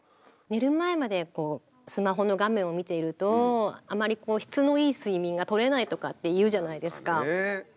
寝る前までこうスマホの画面を見ているとあまりこう質のいい睡眠がとれないとかって言うじゃないですか。